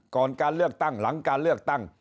ก่อนการเลือกตั้งหลังการเลือกตั้ง